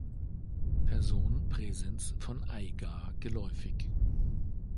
Person Präsens von "eiga" geläufig.